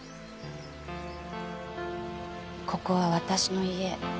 ここは私の家。